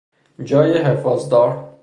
جای حفاظدار